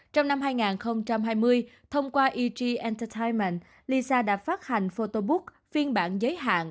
trong năm hai nghìn hai mươi thông qua eg entertainment lisa đã phát hành photobook phiên bản giới hạn